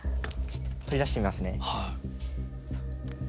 取り出してみますね。